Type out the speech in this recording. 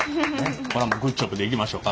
これはもうグッジョブでいきましょか。